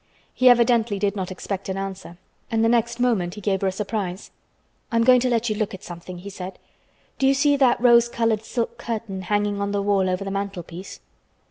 He evidently did not expect an answer and the next moment he gave her a surprise. "I am going to let you look at something," he said. "Do you see that rose colored silk curtain hanging on the wall over the mantel piece?"